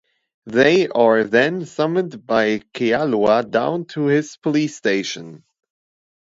They are then summoned by Kealoha down to his police station.